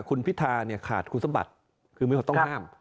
คุณพิธาเนี่ยขาดคุณสมบัติคือเมื่อเขาต้องห้าม